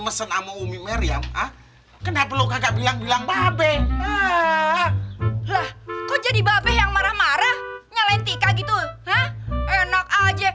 kenapa lo kagak bilang bilang babel lah kok jadi babel yang marah marah nyalain tika gitu enak aja